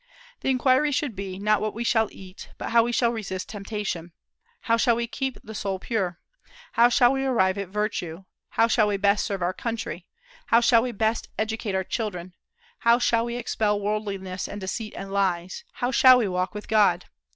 The inquiry should be, not what we shall eat, but how shall we resist temptation; how shall we keep the soul pure; how shall we arrive at virtue; how shall we best serve our country; how shall we best educate our children; how shall we expel worldliness and deceit and lies; how shall we walk with God?